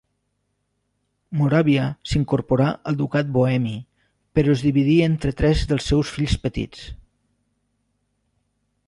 Moràvia s'incorporà al ducat bohemi, però es dividí entre tres dels seus fills petits.